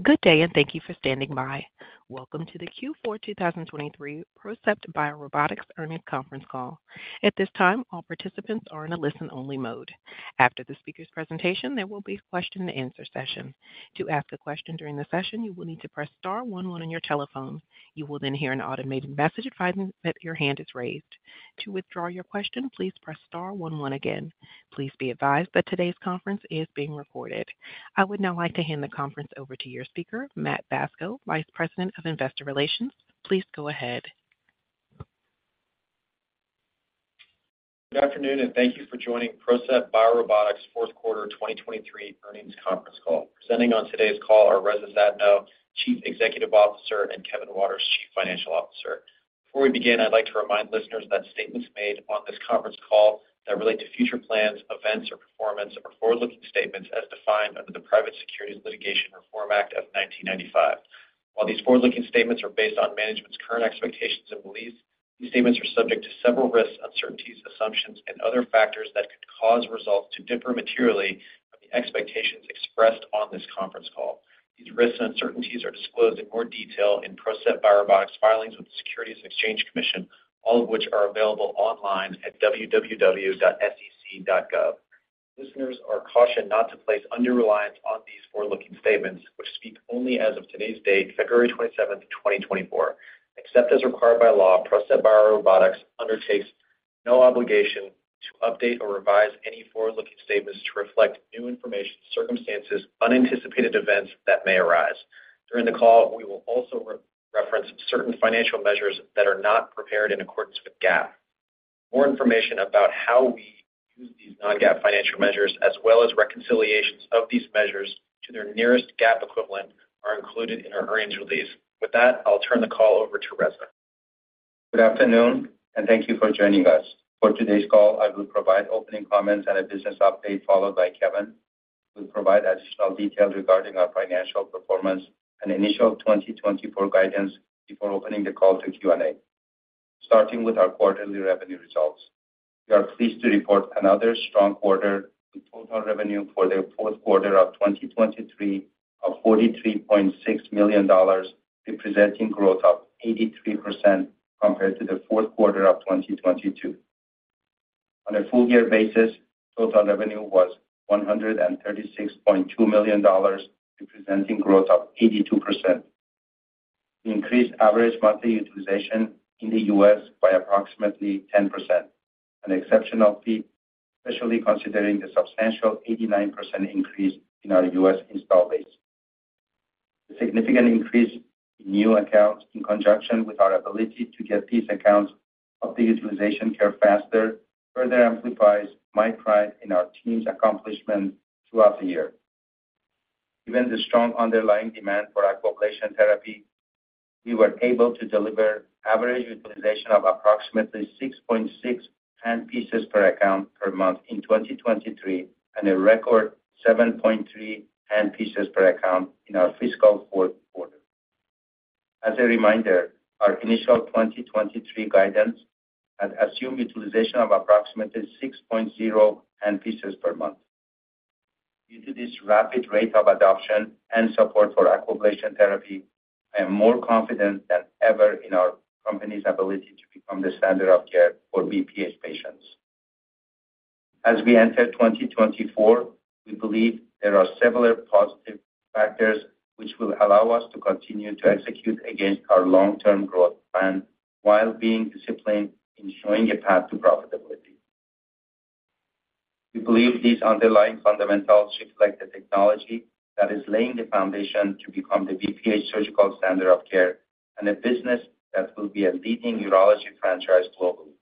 Good day, and thank you for standing by. Welcome to the Q4 2023 PROCEPT BioRobotics earnings conference call. At this time, all participants are in a listen-only mode. After the speaker's presentation, there will be a question-and-answer session. To ask a question during the session, you will need to press star 11 on your telephone. You will then hear an automated message advising that your hand is raised. To withdraw your question, please press star 11 again. Please be advised that today's conference is being recorded. I would now like to hand the conference over to your speaker, Matt Bacso, Vice President of Investor Relations. Please go ahead. Good afternoon, and thank you for joining PROCEPT BioRobotics' fourth quarter 2023 earnings conference call. Presenting on today's call are Reza Zadno, Chief Executive Officer, and Kevin Waters, Chief Financial Officer. Before we begin, I'd like to remind listeners that statements made on this conference call that relate to future plans, events, or performance are forward-looking statements as defined under the Private Securities Litigation Reform Act of 1995. While these forward-looking statements are based on management's current expectations and beliefs, these statements are subject to several risks, uncertainties, assumptions, and other factors that could cause results to differ materially from the expectations expressed on this conference call. These risks and uncertainties are disclosed in more detail in PROCEPT BioRobotics filings with the Securities and Exchange Commission, all of which are available online at www.sec.gov. Listeners are cautioned not to place under-reliance on these forward-looking statements, which speak only as of today's date, February 27th, 2024. Except as required by law, PROCEPT BioRobotics undertakes no obligation to update or revise any forward-looking statements to reflect new information, circumstances, unanticipated events that may arise. During the call, we will also reference certain financial measures that are not prepared in accordance with GAAP. More information about how we use these non-GAAP financial measures, as well as reconciliations of these measures to their nearest GAAP equivalent, are included in our earnings release. With that, I'll turn the call over to Reza. Good afternoon, and thank you for joining us. For today's call, I will provide opening comments and a business update followed by Kevin. We'll provide additional details regarding our financial performance and initial 2024 guidance before opening the call to Q&A. Starting with our quarterly revenue results, we are pleased to report another strong quarter with total revenue for the fourth quarter of 2023 of $43.6 million, representing growth of 83% compared to the fourth quarter of 2022. On a full-year basis, total revenue was $136.2 million, representing growth of 82%. We increased average monthly utilization in the U.S. by approximately 10%, an exceptional feat, especially considering the substantial 89% increase in our U.S. install base. The significant increase in new accounts in conjunction with our ability to get these accounts up to utilization care faster further amplifies my pride in our team's accomplishments throughout the year. Given the strong underlying demand for Aquablation therapy, we were able to deliver average utilization of approximately 6.6 handpieces per account per month in 2023 and a record 7.3 handpieces per account in our fiscal fourth quarter. As a reminder, our initial 2023 guidance had assumed utilization of approximately 6.0 handpieces per month. Due to this rapid rate of adoption and support for Aquablation therapy, I am more confident than ever in our company's ability to become the standard of care for BPH patients. As we enter 2024, we believe there are several positive factors which will allow us to continue to execute against our long-term growth plan while being disciplined in showing a path to profitability. We believe these underlying fundamentals reflect the technology that is laying the foundation to become the BPH surgical standard of care and a business that will be a leading urology franchise globally.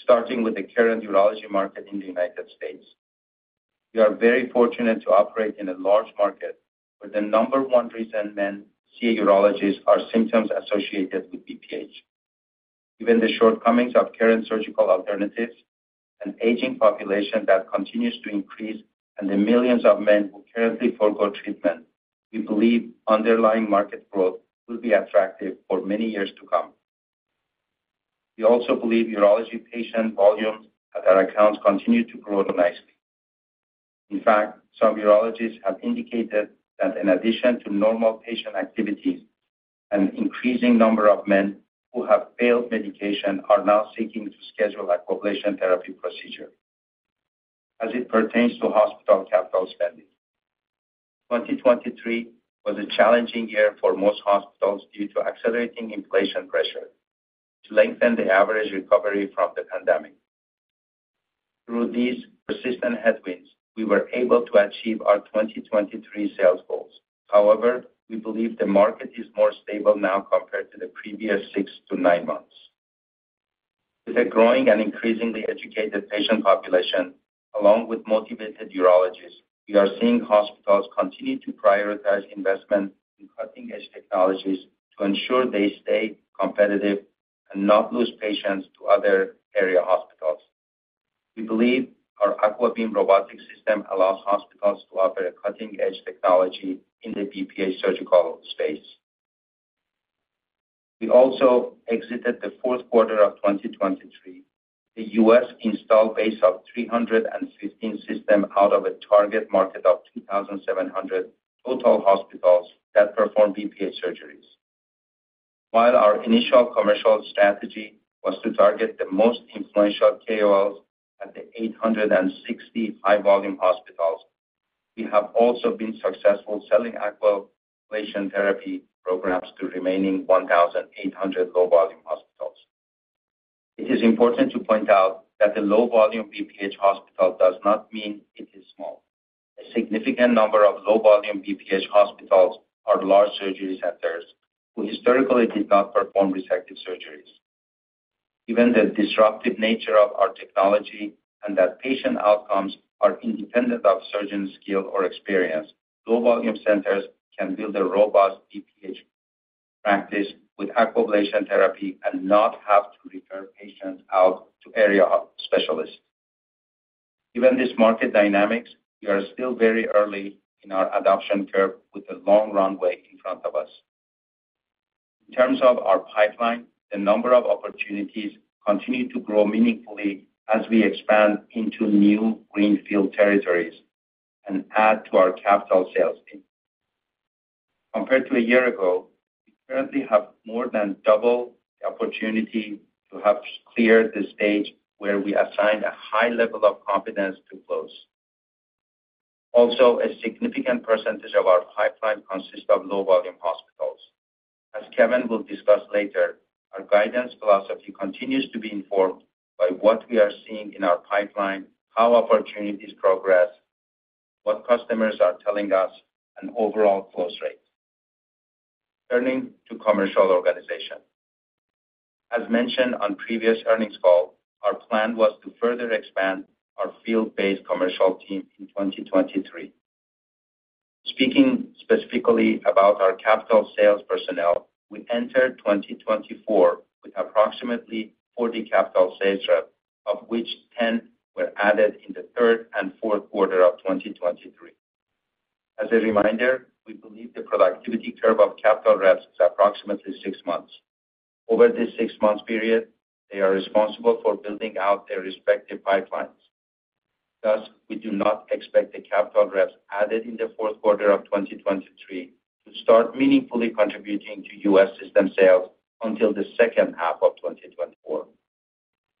Starting with the current urology market in the United States, we are very fortunate to operate in a large market where the number one reason men see a urologist are symptoms associated with BPH. Given the shortcomings of current surgical alternatives and aging population that continues to increase and the millions of men who currently forego treatment, we believe underlying market growth will be attractive for many years to come. We also believe urology patient volumes at our accounts continue to grow nicely. In fact, some urologists have indicated that in addition to normal patient activities, an increasing number of men who have failed medication are now seeking to schedule Aquablation therapy procedures as it pertains to hospital capital spending. 2023 was a challenging year for most hospitals due to accelerating inflation pressure to lengthen the average recovery from the pandemic. Through these persistent headwinds, we were able to achieve our 2023 sales goals. However, we believe the market is more stable now compared to the previous 6-9 months. With a growing and increasingly educated patient population along with motivated urologists, we are seeing hospitals continue to prioritize investment in cutting-edge technologies to ensure they stay competitive and not lose patients to other area hospitals. We believe our AquaBeam robotic system allows hospitals to offer a cutting-edge technology in the BPH surgical space. We also exited the fourth quarter of 2023, the U.S. install base of 315 systems out of a target market of 2,700 total hospitals that perform BPH surgeries. While our initial commercial strategy was to target the most influential KOLs at the 860 high-volume hospitals, we have also been successful selling Aquablation therapy programs to remaining 1,800 low-volume hospitals. It is important to point out that the low-volume BPH hospital does not mean it is small. A significant number of low-volume BPH hospitals are large surgery centers who historically did not perform resective surgeries. Given the disruptive nature of our technology and that patient outcomes are independent of surgeon's skill or experience, low-volume centers can build a robust BPH practice with Aquablation therapy and not have to refer patients out to area specialists. Given this market dynamics, we are still very early in our adoption curve with a long runway in front of us. In terms of our pipeline, the number of opportunities continues to grow meaningfully as we expand into new greenfield territories and add to our capital sales team. Compared to a year ago, we currently have more than double the opportunity to have cleared the stage where we assigned a high level of confidence to close. Also, a significant percentage of our pipeline consists of low-volume hospitals. As Kevin will discuss later, our guidance philosophy continues to be informed by what we are seeing in our pipeline, how opportunities progress, what customers are telling us, and overall close rates. Turning to commercial organization. As mentioned on previous earnings call, our plan was to further expand our field-based commercial team in 2023. Speaking specifically about our capital sales personnel, we entered 2024 with approximately 40 capital sales reps, of which 10 were added in the third and fourth quarter of 2023. As a reminder, we believe the productivity curve of capital reps is approximately 6 months. Over this 6-month period, they are responsible for building out their respective pipelines. Thus, we do not expect the capital reps added in the fourth quarter of 2023 to start meaningfully contributing to U.S. system sales until the second half of 2024,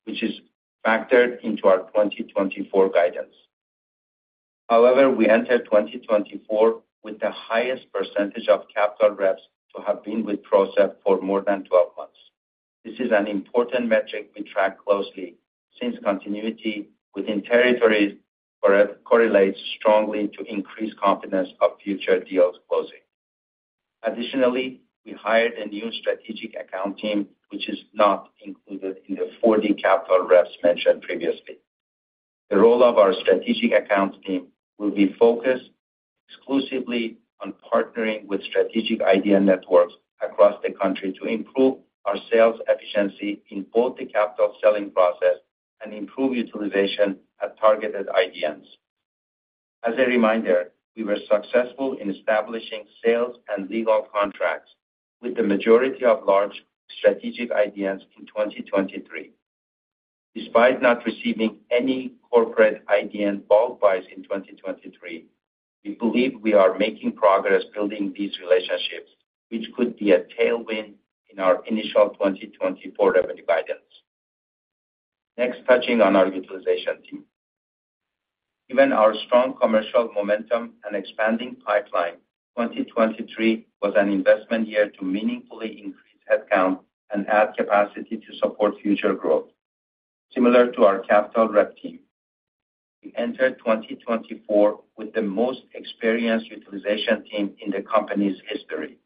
which is factored into our 2024 guidance. However, we entered 2024 with the highest percentage of capital reps to have been with PROCEPT for more than 12 months. This is an important metric we track closely since continuity within territories correlates strongly to increased confidence of future deals closing. Additionally, we hired a new strategic account team, which is not included in the 40 capital reps mentioned previously. The role of our strategic account team will be focused exclusively on partnering with strategic IDN networks across the country to improve our sales efficiency in both the capital selling process and improve utilization at targeted IDNs. As a reminder, we were successful in establishing sales and legal contracts with the majority of large strategic IDNs in 2023. Despite not receiving any corporate IDN bulk buys in 2023, we believe we are making progress building these relationships, which could be a tailwind in our initial 2024 revenue guidance. Next, touching on our utilization team. Given our strong commercial momentum and expanding pipeline, 2023 was an investment year to meaningfully increase headcount and add capacity to support future growth. Similar to our capital rep team, we entered 2024 with the most experienced utilization team in the company's history.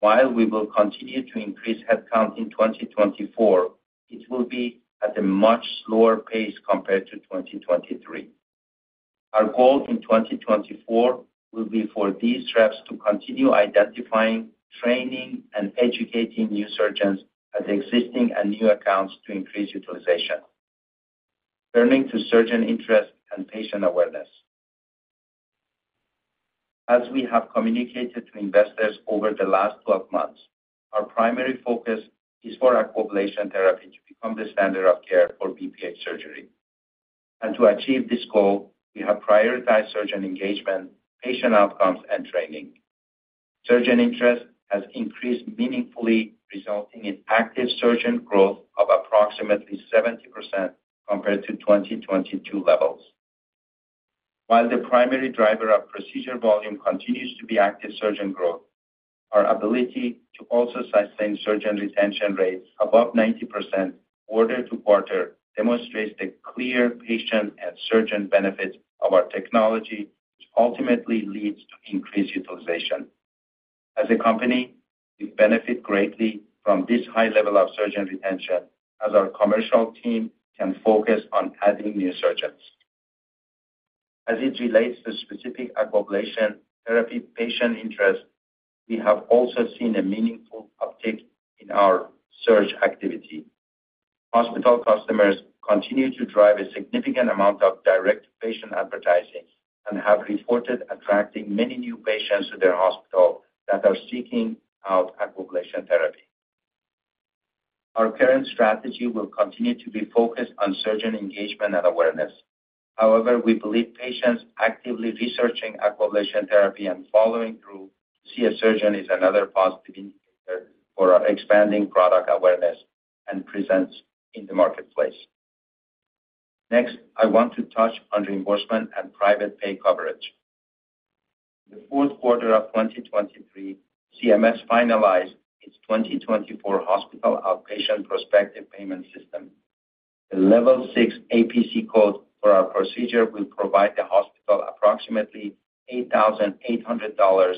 While we will continue to increase headcount in 2024, it will be at a much slower pace compared to 2023. Our goal in 2024 will be for these reps to continue identifying, training, and educating new surgeons at existing and new accounts to increase utilization, turning to surgeon interest and patient awareness. As we have communicated to investors over the last 12 months, our primary focus is for Aquablation therapy to become the standard of care for BPH surgery. To achieve this goal, we have prioritized surgeon engagement, patient outcomes, and training. Surgeon interest has increased meaningfully, resulting in active surgeon growth of approximately 70% compared to 2022 levels. While the primary driver of procedure volume continues to be active surgeon growth, our ability to also sustain surgeon retention rates above 90% quarter to quarter demonstrates the clear patient and surgeon benefits of our technology, which ultimately leads to increased utilization. As a company, we benefit greatly from this high level of surgeon retention as our commercial team can focus on adding new surgeons. As it relates to specific Aquablation therapy patient interest, we have also seen a meaningful uptick in our surgery activity. Hospital customers continue to drive a significant amount of direct patient advertising and have reported attracting many new patients to their hospital that are seeking out Aquablation therapy. Our current strategy will continue to be focused on surgeon engagement and awareness. However, we believe patients actively researching Aquablation therapy and following through to see a surgeon is another positive indicator for our expanding product awareness and presence in the marketplace. Next, I want to touch on reimbursement and private pay coverage. In the fourth quarter of 2023, CMS finalized its 2024 hospital outpatient prospective payment system. The level 6 APC code for our procedure will provide the hospital approximately $8,800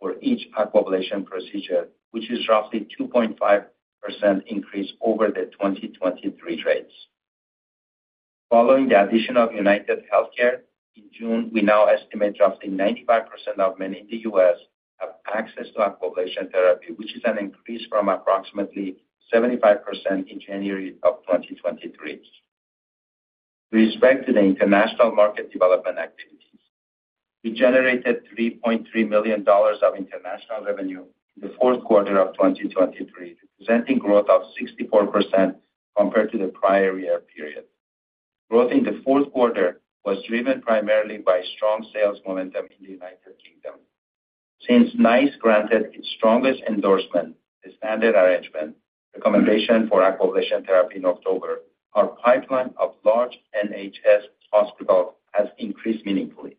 for each Aquablation procedure, which is roughly 2.5% increase over the 2023 rates. Following the addition of UnitedHealthcare in June, we now estimate roughly 95% of men in the U.S. have access to Aquablation therapy, which is an increase from approximately 75% in January of 2023. With respect to the international market development activities, we generated $3.3 million of international revenue in the fourth quarter of 2023, representing growth of 64% compared to the prior year period. Growth in the fourth quarter was driven primarily by strong sales momentum in the United Kingdom. Since NICE granted its strongest endorsement, the standard arrangements recommendation for Aquablation therapy in October, our pipeline of large NHS hospitals has increased meaningfully.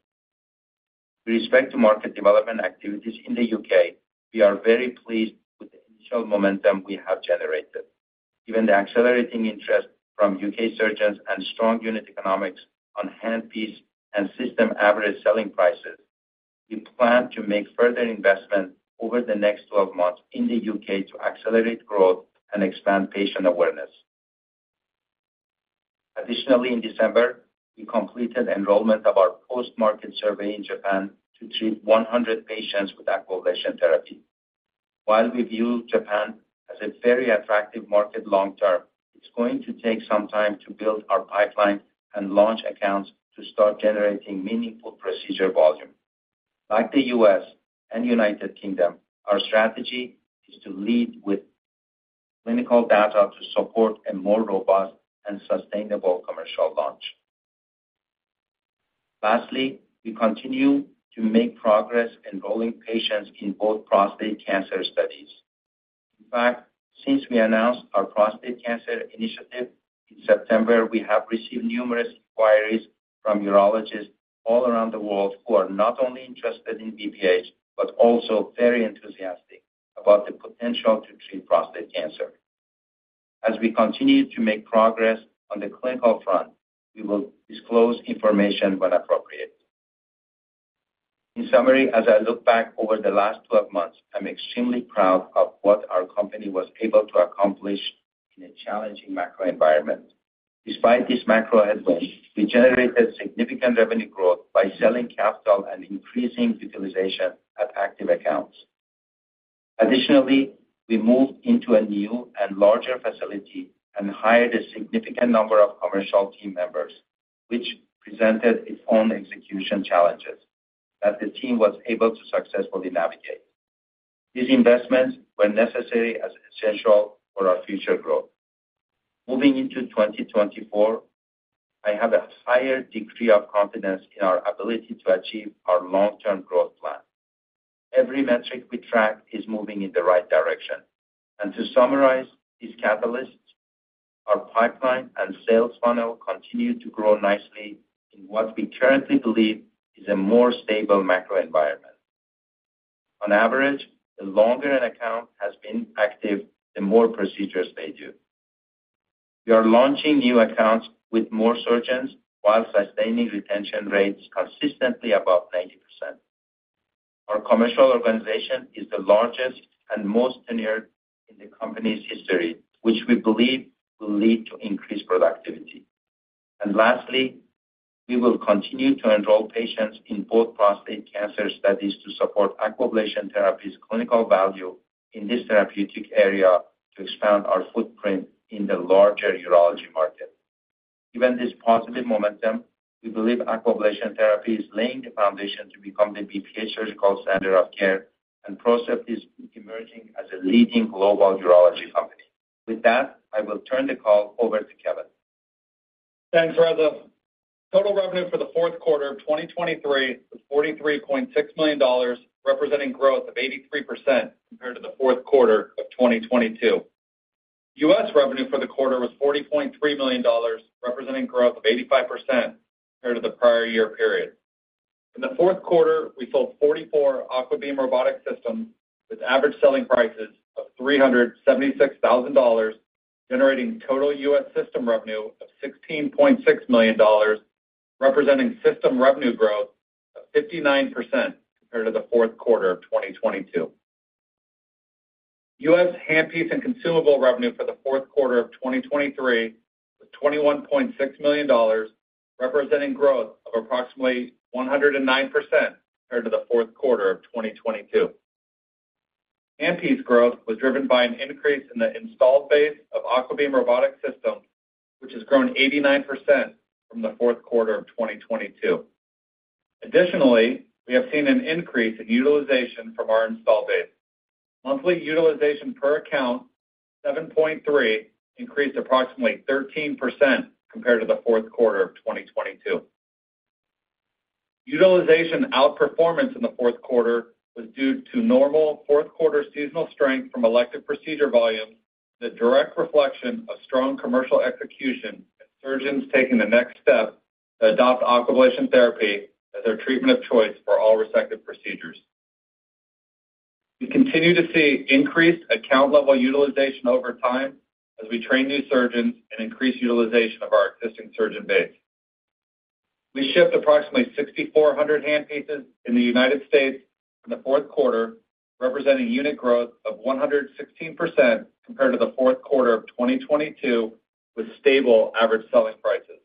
With respect to market development activities in the UK, we are very pleased with the initial momentum we have generated. Given the accelerating interest from UK surgeons and strong unit economics on handpiece and system average selling prices, we plan to make further investment over the next 12 months in the UK to accelerate growth and expand patient awareness. Additionally, in December, we completed enrollment of our post-market survey in Japan to treat 100 patients with Aquablation therapy. While we view Japan as a very attractive market long term, it's going to take some time to build our pipeline and launch accounts to start generating meaningful procedure volume. Like the U.S. and United Kingdom, our strategy is to lead with clinical data to support a more robust and sustainable commercial launch. Lastly, we continue to make progress enrolling patients in both prostate cancer studies. In fact, since we announced our prostate cancer initiative in September, we have received numerous inquiries from urologists all around the world who are not only interested in BPH but also very enthusiastic about the potential to treat prostate cancer. As we continue to make progress on the clinical front, we will disclose information when appropriate. In summary, as I look back over the last 12 months, I'm extremely proud of what our company was able to accomplish in a challenging macro environment. Despite this macro headwind, we generated significant revenue growth by selling capital and increasing utilization at active accounts. Additionally, we moved into a new and larger facility and hired a significant number of commercial team members, which presented its own execution challenges that the team was able to successfully navigate. These investments were necessary as essential for our future growth. Moving into 2024, I have a higher degree of confidence in our ability to achieve our long-term growth plan. Every metric we track is moving in the right direction. And to summarize these catalysts, our pipeline and sales funnel continue to grow nicely in what we currently believe is a more stable macro environment. On average, the longer an account has been active, the more procedures they do. We are launching new accounts with more surgeons while sustaining retention rates consistently above 90%. Our commercial organization is the largest and most tenured in the company's history, which we believe will lead to increased productivity. Lastly, we will continue to enroll patients in both prostate cancer studies to support Aquablation therapy's clinical value in this therapeutic area to expand our footprint in the larger urology market. Given this positive momentum, we believe Aquablation therapy is laying the foundation to become the BPH surgical standard of care, and PROCEPT is emerging as a leading global urology company. With that, I will turn the call over to Kevin. Thanks, Reza. Total revenue for the fourth quarter of 2023 was $43.6 million, representing growth of 83% compared to the fourth quarter of 2022. U.S. revenue for the quarter was $40.3 million, representing growth of 85% compared to the prior year period. In the fourth quarter, we sold 44 AquaBeam robotic systems with average selling prices of $376,000, generating total U.S. system revenue of $16.6 million, representing system revenue growth of 59% compared to the fourth quarter of 2022. U.S. handpiece and consumable revenue for the fourth quarter of 2023 was $21.6 million, representing growth of approximately 109% compared to the fourth quarter of 2022. Handpiece growth was driven by an increase in the installed base of AquaBeam robotic systems, which has grown 89% from the fourth quarter of 2022. Additionally, we have seen an increase in utilization from our installed base. Monthly utilization per account, 7.3, increased approximately 13% compared to the fourth quarter of 2022. Utilization outperformance in the fourth quarter was due to normal fourth quarter seasonal strength from elective procedure volumes, the direct reflection of strong commercial execution, and surgeons taking the next step to adopt Aquablation therapy as their treatment of choice for all resective procedures. We continue to see increased account level utilization over time as we train new surgeons and increase utilization of our existing surgeon base. We shipped approximately 6,400 handpieces in the United States in the fourth quarter, representing unit growth of 116% compared to the fourth quarter of 2022 with stable average selling prices.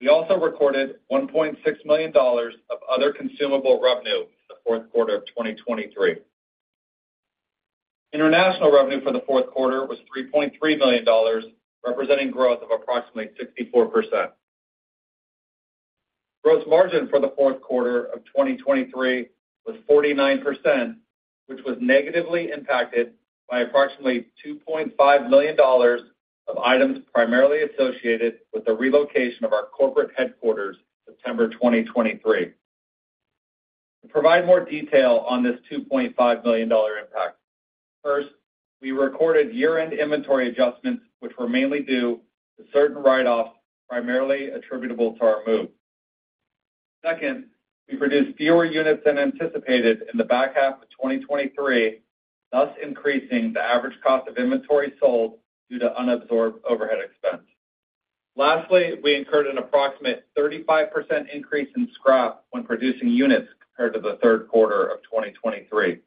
We also recorded $1.6 million of other consumable revenue in the fourth quarter of 2023. International revenue for the fourth quarter was $3.3 million, representing growth of approximately 64%. Gross margin for the fourth quarter of 2023 was 49%, which was negatively impacted by approximately $2.5 million of items primarily associated with the relocation of our corporate headquarters in September 2023. To provide more detail on this $2.5 million impact, first, we recorded year-end inventory adjustments, which were mainly due to certain write-offs primarily attributable to our move. Second, we produced fewer units than anticipated in the back half of 2023, thus increasing the average cost of inventory sold due to unabsorbed overhead expense. Lastly, we incurred an approximate 35% increase in scrap when producing units compared to the third quarter of 2023.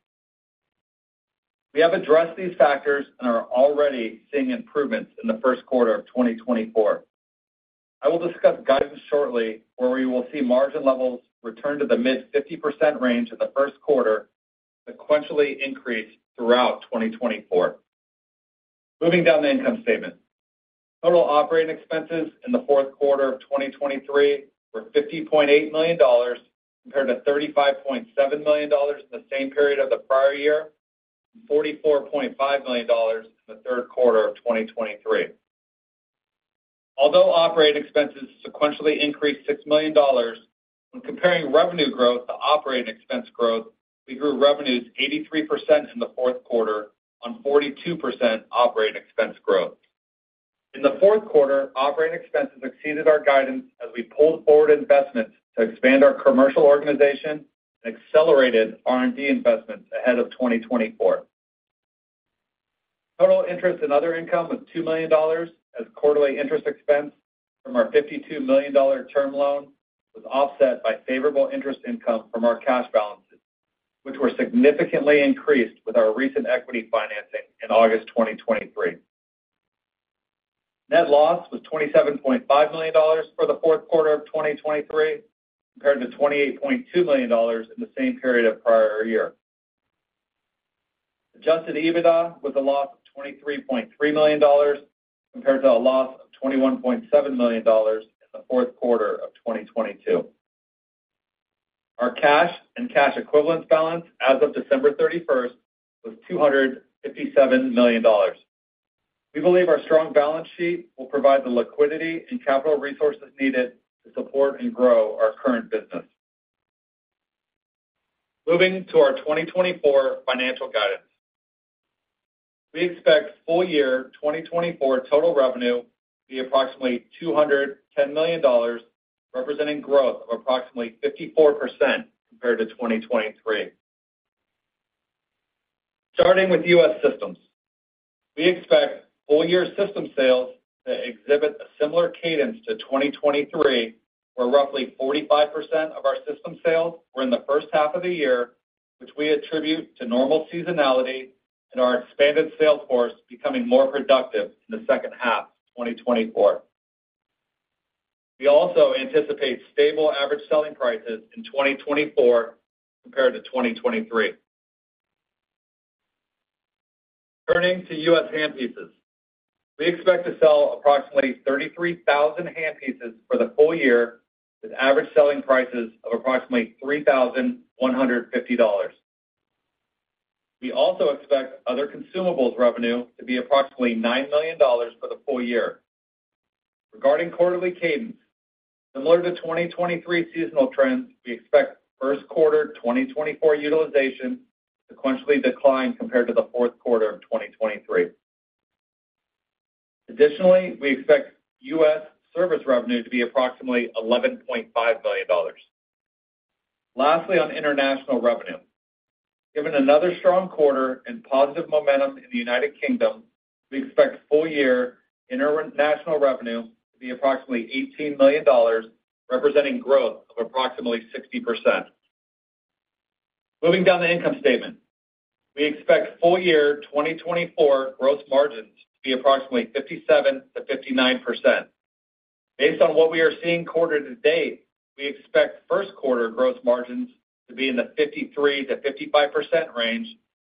We have addressed these factors and are already seeing improvements in the first quarter of 2024. I will discuss guidance shortly, where we will see margin levels return to the mid-50% range in the first quarter, sequentially increase throughout 2024. Moving down the income statement, total operating expenses in the fourth quarter of 2023 were $50.8 million compared to $35.7 million in the same period of the prior year and $44.5 million in the third quarter of 2023. Although operating expenses sequentially increased $6 million, when comparing revenue growth to operating expense growth, we grew revenues 83% in the fourth quarter on 42% operating expense growth. In the fourth quarter, operating expenses exceeded our guidance as we pulled forward investments to expand our commercial organization and accelerated R&D investments ahead of 2024. Total interest and other income was $2 million as quarterly interest expense from our $52 million term loan was offset by favorable interest income from our cash balances, which were significantly increased with our recent equity financing in August 2023. Net loss was $27.5 million for the fourth quarter of 2023 compared to $28.2 million in the same period of prior year. Adjusted EBITDA was a loss of $23.3 million compared to a loss of $21.7 million in the fourth quarter of 2022. Our cash and cash equivalents balance as of December 31st was $257 million. We believe our strong balance sheet will provide the liquidity and capital resources needed to support and grow our current business. Moving to our 2024 financial guidance, we expect full year 2024 total revenue to be approximately $210 million, representing growth of approximately 54% compared to 2023. Starting with U.S. systems, we expect full year system sales to exhibit a similar cadence to 2023, where roughly 45% of our system sales were in the first half of the year, which we attribute to normal seasonality and our expanded sales force becoming more productive in the second half of 2024. We also anticipate stable average selling prices in 2024 compared to 2023. Turning to U.S. handpieces, we expect to sell approximately 33,000 handpieces for the full year with average selling prices of approximately $3,150. We also expect other consumables revenue to be approximately $9 million for the full year. Regarding quarterly cadence, similar to 2023 seasonal trends, we expect first quarter 2024 utilization to sequentially decline compared to the fourth quarter of 2023. Additionally, we expect U.S. service revenue to be approximately $11.5 million. Lastly, on international revenue, given another strong quarter and positive momentum in the United Kingdom, we expect full year international revenue to be approximately $18 million, representing growth of approximately 60%. Moving down the income statement, we expect full year 2024 gross margins to be approximately 57%-59%. Based on what we are seeing quarter to date, we expect first quarter gross margins to be in the 53%-55% range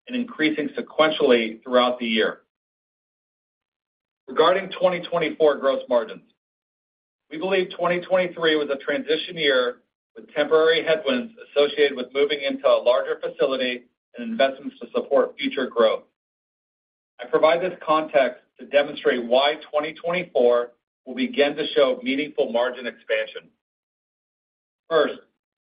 and increasing sequentially throughout the year. Regarding 2024 gross margins, we believe 2023 was a transition year with temporary headwinds associated with moving into a larger facility and investments to support future growth. I provide this context to demonstrate why 2024 will begin to show meaningful margin expansion. First,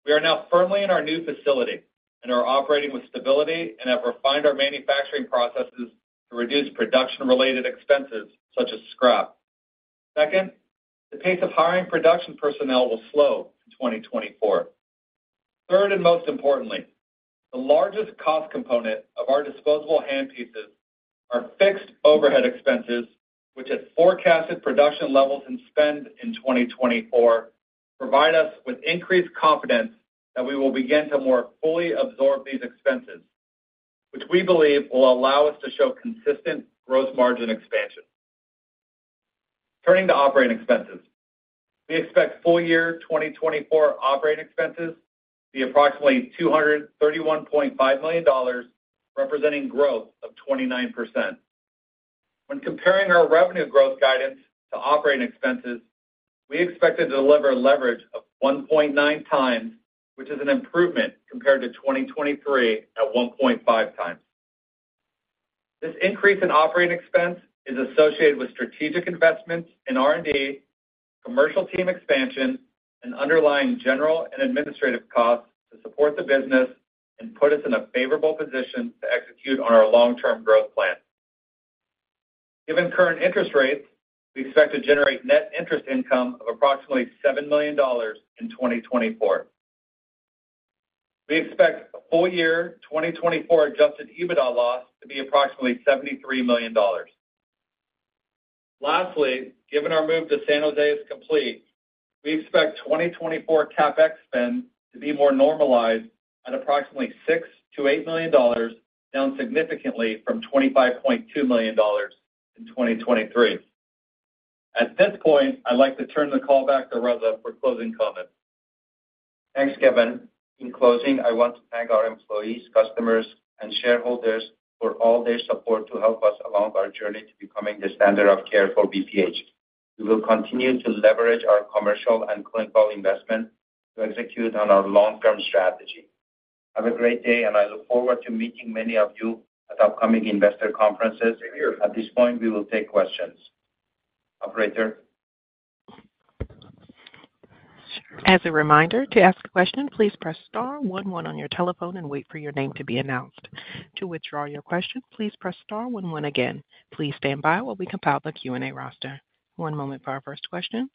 we are now firmly in our new facility and are operating with stability and have refined our manufacturing processes to reduce production-related expenses such as scrap. Second, the pace of hiring production personnel will slow in 2024. Third and most importantly, the largest cost component of our disposable handpieces are fixed overhead expenses, which at forecasted production levels and spend in 2024 provide us with increased confidence that we will begin to more fully absorb these expenses, which we believe will allow us to show consistent gross margin expansion. Turning to operating expenses, we expect full year 2024 operating expenses to be approximately $231.5 million, representing growth of 29%. When comparing our revenue growth guidance to operating expenses, we expect it to deliver leverage of 1.9 times, which is an improvement compared to 2023 at 1.5 times. This increase in operating expense is associated with strategic investments in R&D, commercial team expansion, and underlying general and administrative costs to support the business and put us in a favorable position to execute on our long-term growth plan. Given current interest rates, we expect to generate net interest income of approximately $7 million in 2024. We expect full year 2024 adjusted EBITDA loss to be approximately $73 million. Lastly, given our move to San Jose is complete, we expect 2024 CapEx spend to be more normalized at approximately $6-$8 million, down significantly from $25.2 million in 2023. At this point, I'd like to turn the call back to Reza for closing comments. Thanks, Kevin. In closing, I want to thank our employees, customers, and shareholders for all their support to help us along our journey to becoming the standard of care for BPH. We will continue to leverage our commercial and clinical investment to execute on our long-term strategy. Have a great day, and I look forward to meeting many of you at upcoming investor conferences. At this point, we will take questions. Operator. As a reminder, to ask a question, please press star 11 on your telephone and wait for your name to be announced. To withdraw your question, please press star 11 again. Please stand by while we compile the Q&A roster. One moment for our first question.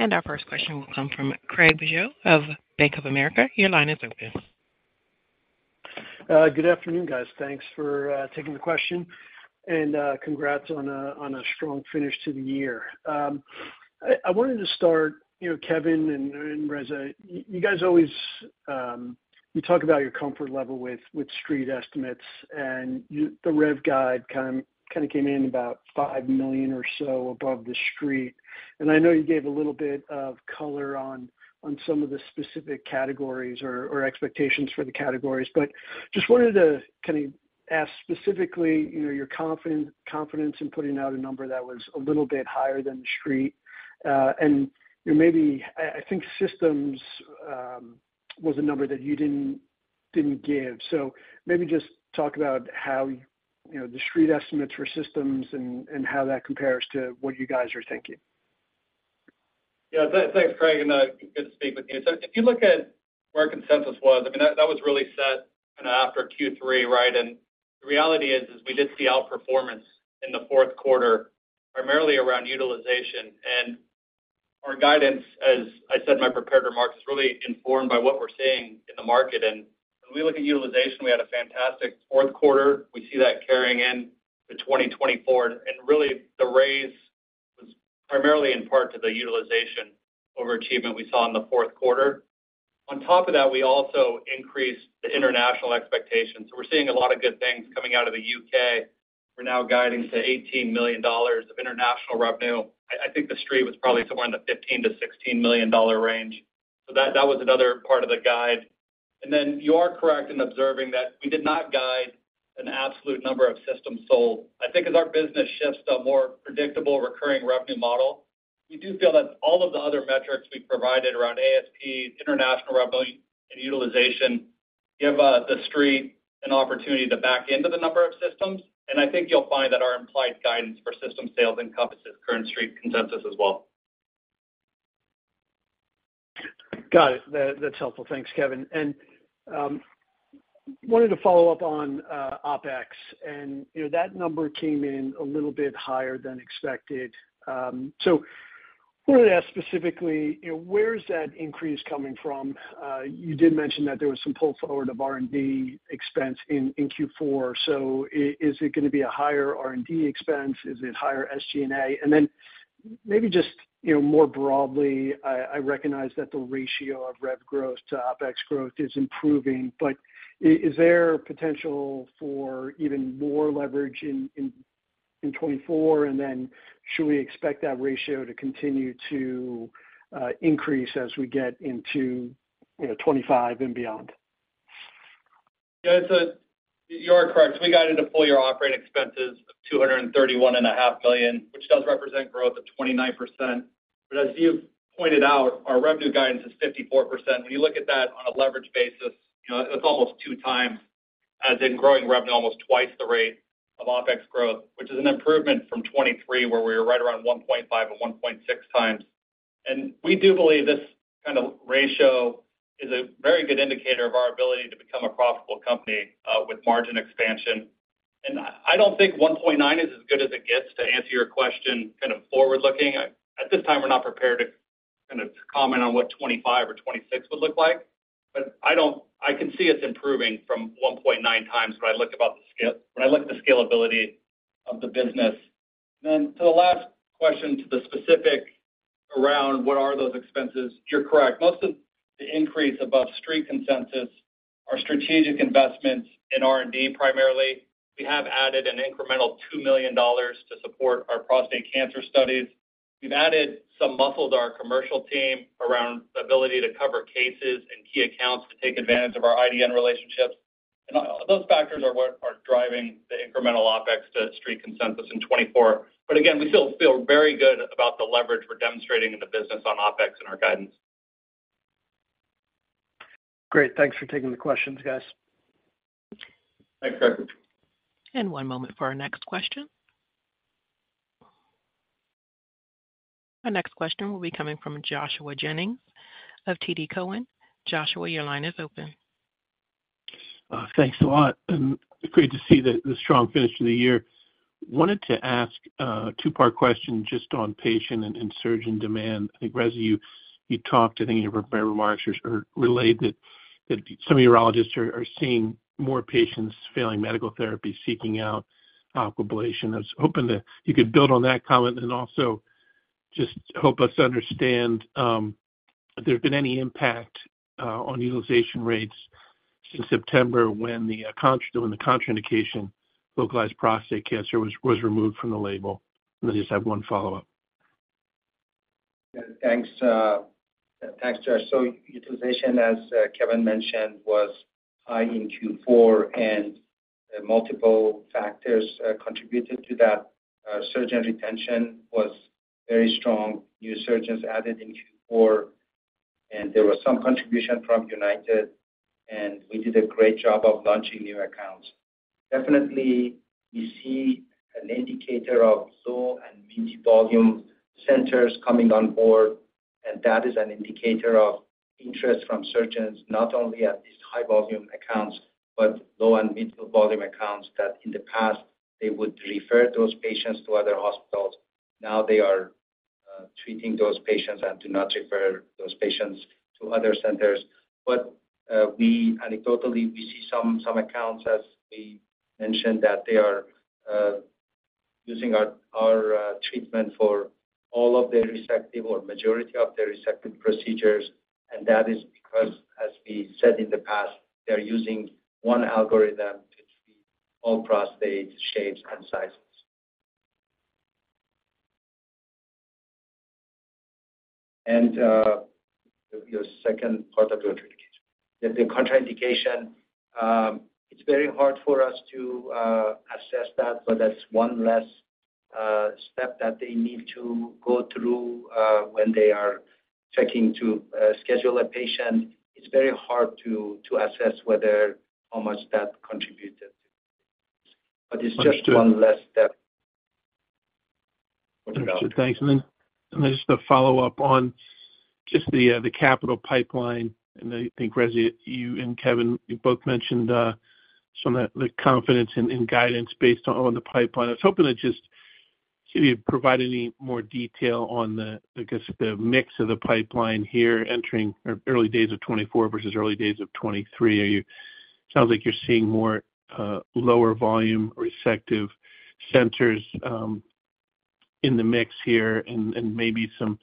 Our first question will come from Craig Bijou of Bank of America. Your line is open. Good afternoon, guys. Thanks for taking the question, and congrats on a strong finish to the year. I wanted to start, Kevin and Reza. You guys always talk about your comfort level with street estimates, and the rev guide kind of came in about $5 million or so above the street. I know you gave a little bit of color on some of the specific categories or expectations for the categories, but just wanted to kind of ask specifically your confidence in putting out a number that was a little bit higher than the street. Maybe I think systems was a number that you didn't give. So maybe just talk about how the street estimates for systems and how that compares to what you guys are thinking. Yeah. Thanks, Craig. Good to speak with you. So if you look at where consensus was, I mean, that was really set after Q3, right? The reality is we did see outperformance in the fourth quarter, primarily around utilization. Our guidance, as I said in my prepared remarks, is really informed by what we're seeing in the market. When we look at utilization, we had a fantastic fourth quarter. We see that carrying into 2024. Really, the raise was primarily in part to the utilization overachievement we saw in the fourth quarter. On top of that, we also increased the international expectations. So we're seeing a lot of good things coming out of the UK. We're now guiding to $18 million of international revenue. I think the street was probably somewhere in the $15-$16 million range. So that was another part of the guide. And then you are correct in observing that we did not guide an absolute number of systems sold. I think as our business shifts to a more predictable recurring revenue model, we do feel that all of the other metrics we provided around ASP, international revenue, and utilization, give the street an opportunity to back into the number of systems. And I think you'll find that our implied guidance for system sales encompasses current street consensus as well. Got it. That's helpful. Thanks, Kevin. Wanted to follow up on OpEx. That number came in a little bit higher than expected. I wanted to ask specifically, where is that increase coming from? You did mention that there was some pull forward of R&D expense in Q4. Is it going to be a higher R&D expense? Is it higher SG&A? Maybe just more broadly, I recognize that the ratio of rev growth to OpEx growth is improving, but is there potential for even more leverage in 2024? Should we expect that ratio to continue to increase as we get into 2025 and beyond? Yeah. You are correct. We guided to full year operating expenses of $231.5 million, which does represent growth of 29%. But as you've pointed out, our revenue guidance is 54%. When you look at that on a leverage basis, that's almost 2 times, as in growing revenue almost twice the rate of OpEx growth, which is an improvement from 2023 where we were right around 1.5 and 1.6 times. And we do believe this kind of ratio is a very good indicator of our ability to become a profitable company with margin expansion. And I don't think 1.9 is as good as it gets to answer your question kind of forward-looking. At this time, we're not prepared to kind of comment on what 2025 or 2026 would look like. But I can see it's improving from 1.9 times when I look at the scalability of the business. Then to the last question, to the specific around what are those expenses, you're correct. Most of the increase above street consensus are strategic investments in R&D primarily. We have added an incremental $2 million to support our prostate cancer studies. We've added some muscle to our commercial team around the ability to cover cases and key accounts to take advantage of our IDN relationships. And those factors are what are driving the incremental OpEx to street consensus in 2024. But again, we still feel very good about the leverage we're demonstrating in the business on OpEx and our guidance. Great. Thanks for taking the questions, guys. Thanks, Craig. One moment for our next question. Our next question will be coming from Joshua Jennings of TD Cowen. Joshua, your line is open. Thanks a lot. Great to see the strong finish to the year. Wanted to ask a two-part question just on patient and surgeon demand. I think, Reza, you talked. I think in your remarks, you relayed that some urologists are seeing more patients failing medical therapy, seeking out Aquablation. I was hoping that you could build on that comment and also just help us to understand if there's been any impact on utilization rates since September when the contraindication, localized prostate cancer, was removed from the label. And then I just have one follow-up. Thanks, Josh. So utilization, as Kevin mentioned, was high in Q4, and multiple factors contributed to that. Surgeon retention was very strong. New surgeons added in Q4, and there was some contribution from United, and we did a great job of launching new accounts. Definitely, we see an indicator of low and mid-volume centers coming on board, and that is an indicator of interest from surgeons, not only at these high-volume accounts but low and mid-volume accounts that in the past, they would refer those patients to other hospitals. Now, they are treating those patients and do not refer those patients to other centers. But anecdotally, we see some accounts, as we mentioned, that they are using our treatment for all of their resective or majority of their resective procedures. That is because, as we said in the past, they're using one algorithm to treat all prostate shapes and sizes. Your second part of your contraindication. The contraindication, it's very hard for us to assess that, but that's one less step that they need to go through when they are checking to schedule a patient. It's very hard to assess how much that contributed to. It's just one less step. Thanks. And then just a follow-up on just the capital pipeline. And I think, Reza, you and Kevin, you both mentioned some of the confidence in guidance based on the pipeline. I was hoping to just see if you could provide any more detail on the mix of the pipeline here entering early days of 2024 versus early days of 2023. It sounds like you're seeing more lower-volume resective centers in the mix here and maybe some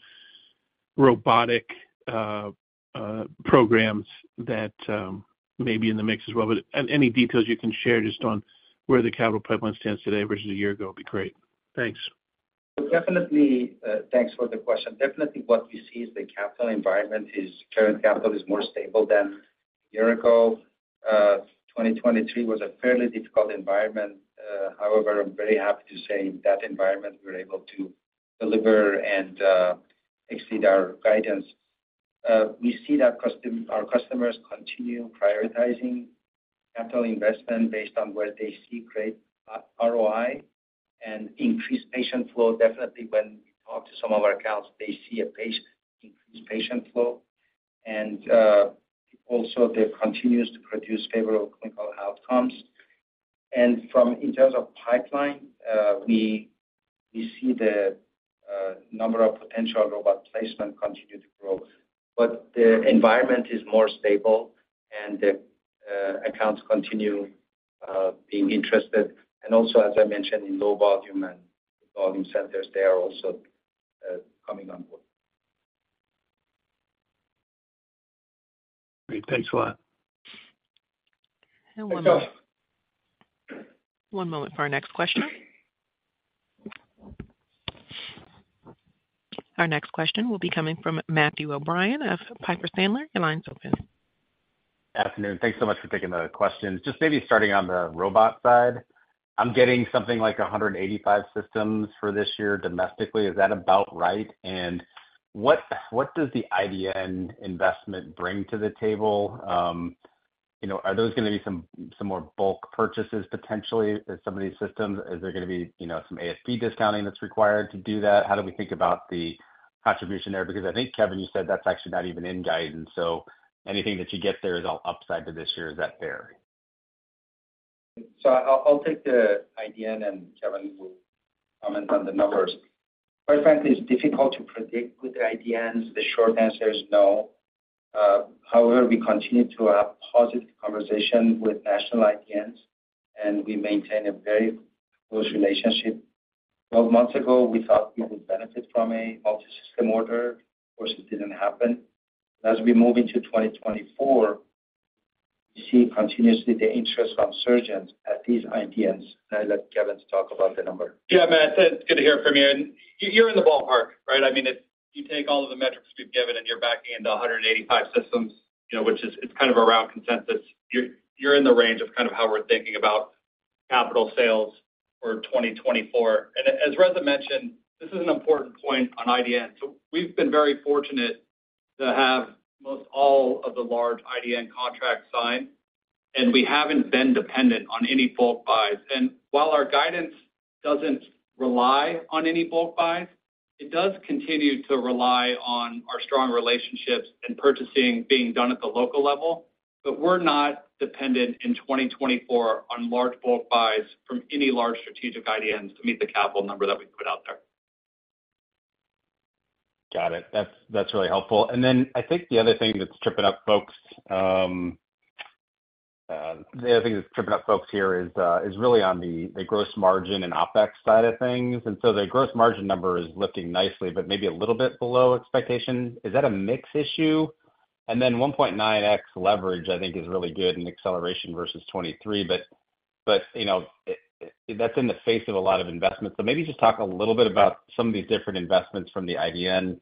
robotic programs that may be in the mix as well. But any details you can share just on where the capital pipeline stands today versus a year ago would be great. Thanks. Definitely, thanks for the question. Definitely, what we see is the capital environment is currently capital is more stable than a year ago. 2023 was a fairly difficult environment. However, I'm very happy to say in that environment, we were able to deliver and exceed our guidance. We see that our customers continue prioritizing capital investment based on where they see great ROI and increased patient flow. Definitely, when we talk to some of our accounts, they see an increased patient flow. And also, they've continued to produce favorable clinical outcomes. And in terms of pipeline, we see the number of potential robot placement continue to grow. But the environment is more stable, and the accounts continue being interested. And also, as I mentioned, in low-volume and volume centers, they are also coming on board. Great. Thanks a lot. One moment for our next question. Our next question will be coming from Matthew O'Brien of Piper Sandler. Your line is open. Afternoon. Thanks so much for taking the questions. Just maybe starting on the robot side, I'm getting something like 185 systems for this year domestically. Is that about right? And what does the IDN investment bring to the table? Are those going to be some more bulk purchases, potentially, of some of these systems? Is there going to be some ASP discounting that's required to do that? How do we think about the contribution there? Because I think, Kevin, you said that's actually not even in guidance. Anything that you get there is all upside to this year. Is that fair? So I'll take the IDN, and Kevin will comment on the numbers. Quite frankly, it's difficult to predict with the IDNs. The short answer is no. However, we continue to have positive conversation with national IDNs, and we maintain a very close relationship. 12 months ago, we thought we would benefit from a multi-system order. Of course, it didn't happen. As we move into 2024, we see continuously the interest from surgeons at these IDNs. And I'll let Kevin talk about the number. Yeah, Matt. Good to hear from you. And you're in the ballpark, right? I mean, if you take all of the metrics we've given and you're backing into 185 systems, which is kind of around consensus, you're in the range of kind of how we're thinking about capital sales for 2024. And as Reza mentioned, this is an important point on IDN. So we've been very fortunate to have almost all of the large IDN contracts signed, and we haven't been dependent on any bulk buys. And while our guidance doesn't rely on any bulk buys, it does continue to rely on our strong relationships and purchasing being done at the local level. But we're not dependent in 2024 on large bulk buys from any large strategic IDNs to meet the capital number that we put out there. Got it. That's really helpful. And then I think the other thing that's tripping up folks the other thing that's tripping up folks here is really on the gross margin and OpEx side of things. And so the gross margin number is lifting nicely but maybe a little bit below expectation. Is that a mix issue? And then 1.9x leverage, I think, is really good in acceleration versus 2023. But that's in the face of a lot of investments. So maybe just talk a little bit about some of these different investments from the IDN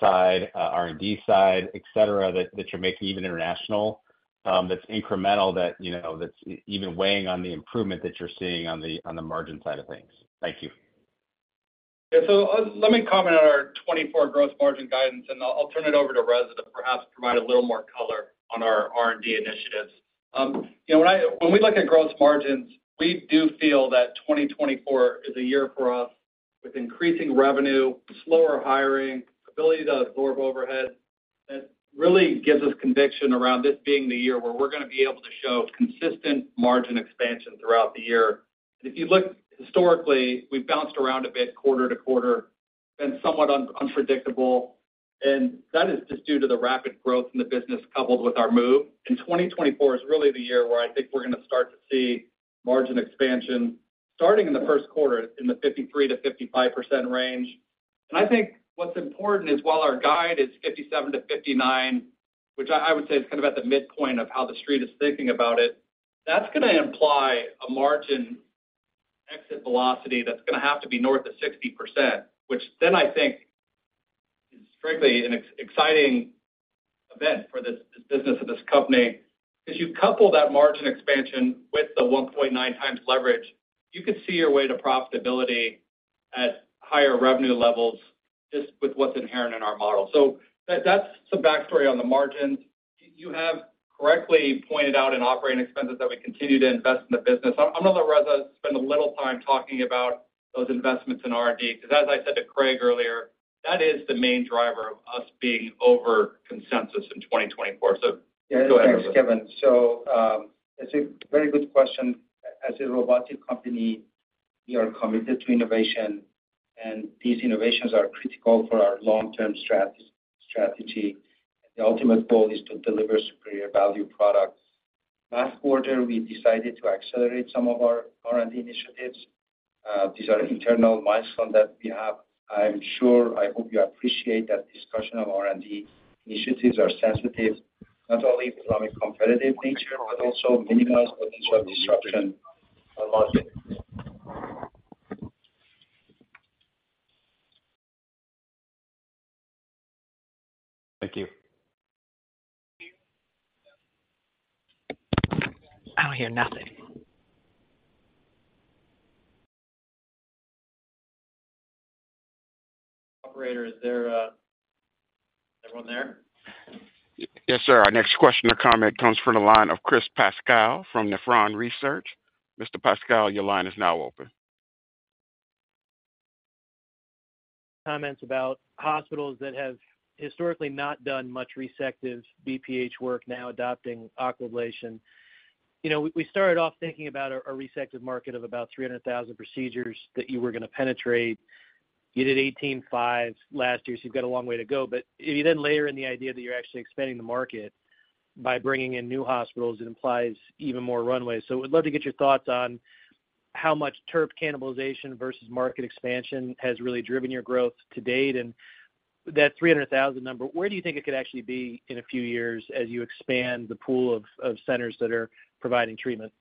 side, R&D side, etc., that you're making, even international, that's incremental, that's even weighing on the improvement that you're seeing on the margin side of things. Thank you. Yeah. So let me comment on our 2024 gross margin guidance, and I'll turn it over to Reza to perhaps provide a little more color on our R&D initiatives. When we look at gross margins, we do feel that 2024 is a year for us with increasing revenue, slower hiring, ability to absorb overhead. That really gives us conviction around this being the year where we're going to be able to show consistent margin expansion throughout the year. And if you look historically, we've bounced around a bit quarter to quarter, been somewhat unpredictable. And that is just due to the rapid growth in the business coupled with our move. And 2024 is really the year where I think we're going to start to see margin expansion starting in the first quarter in the 53%-55% range. I think what's important is while our guide is 57-59, which I would say is kind of at the midpoint of how the street is thinking about it, that's going to imply a margin exit velocity that's going to have to be north of 60%, which then I think is strictly an exciting event for this business and this company. Because you couple that margin expansion with the 1.9x leverage, you could see your way to profitability at higher revenue levels just with what's inherent in our model. So that's some backstory on the margins. You have correctly pointed out in operating expenses that we continue to invest in the business. I'm going to let Reza spend a little time talking about those investments in R&D. Because as I said to Craig earlier, that is the main driver of us being over consensus in 2024. Go ahead, Reza. Yeah. Thanks, Kevin. So it's a very good question. As a robotic company, we are committed to innovation, and these innovations are critical for our long-term strategy. The ultimate goal is to deliver superior value products. Last quarter, we decided to accelerate some of our R&D initiatives. These are internal milestones that we have. I'm sure I hope you appreciate that discussion of R&D initiatives are sensitive, not only economic competitive nature but also minimize potential disruption on market. Thank you. I don't hear nothing. Operator, is everyone there? Yes, sir. Our next question or comment comes from the line of Chris Pasquale from Nephron Research. Mr. Pasquale, your line is now open. Comments about hospitals that have historically not done much resective BPH work now adopting Aquablation. We started off thinking about a resective market of about 300,000 procedures that you were going to penetrate. You did 18,500 last year, so you've got a long way to go. But if you then layer in the idea that you're actually expanding the market by bringing in new hospitals, it implies even more runway. So I would love to get your thoughts on how much TURP cannibalization versus market expansion has really driven your growth to date. And that 300,000 number, where do you think it could actually be in a few years as you expand the pool of centers that are providing treatment?